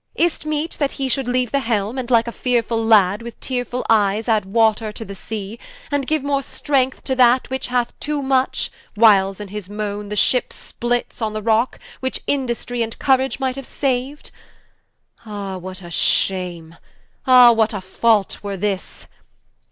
Is't meet, that hee Should leaue the Helme, and like a fearefull Lad, With tearefull Eyes adde Water to the Sea, And giue more strength to that which hath too much, Whiles in his moane, the Ship splits on the Rock, Which Industrie and Courage might haue sau'd? Ah what a shame, ah what a fault were this.